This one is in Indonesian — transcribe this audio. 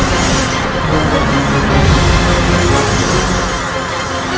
biarkan ayah andamu yang menanganinya